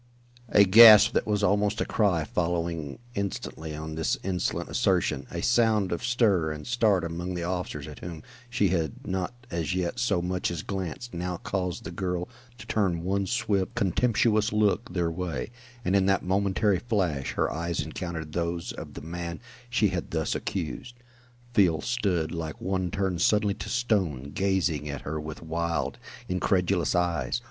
A gasp that was almost a cry following instantly on this insolent assertion a sound of stir and start among the officers at whom she had not as yet so much as glanced, now caused the girl to turn one swift, contemptuous look their way, and in that momentary flash her eyes encountered those of the man she had thus accused. Field stood like one turned suddenly to stone, gazing at her with wild, incredulous eyes.